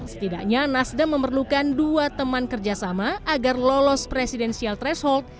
setidaknya nasdem memerlukan dua teman kerjasama agar lolos presidensial threshold